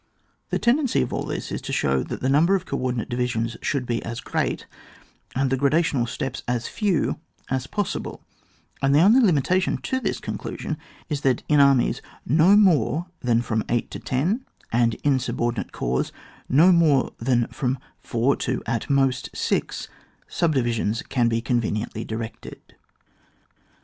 15 The tendency of all this is to show that the number of co ordinate divisions should be as ^eat, and the gradational steps as few as possible ; and the only limitation to this conclusion is, that in armies no more thaa from eight to ten, and in subordinate corps no more than from four or at most six, subdivisions can be conveniently directed.